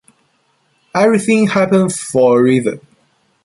Everything happens for a reason.